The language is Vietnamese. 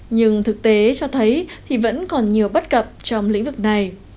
nhưng thực tế cho thấy thì vẫn còn nhiều bất cập trong lĩnh vực này